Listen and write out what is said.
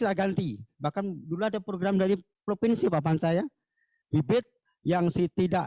kita ganti bahkan dulu ada program dari provinsi bapanca ya bibit yang tidak